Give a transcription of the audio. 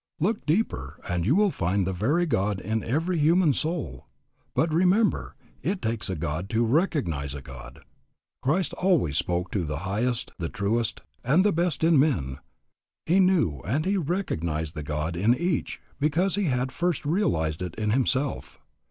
Look deeper and you will find the very God in every human soul. But remember it takes a God to recognize a God. Christ always spoke to the highest, the truest, and the best in men. He knew and he recognized the God in each because he had first realized it in himself.